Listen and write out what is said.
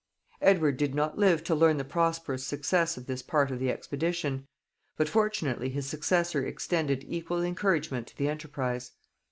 Edward did not live to learn the prosperous success of this part of the expedition, but fortunately his successor extended equal encouragement to the enterprise.